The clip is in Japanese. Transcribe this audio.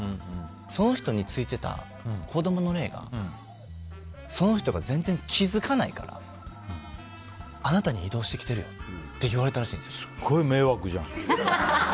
その人についてた子供の霊がその人が全然気づかないからあなたに移動してきてるよってすごい迷惑じゃん。